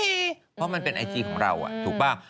เพราะมันเป็นไอจีของเราถูกป่ะ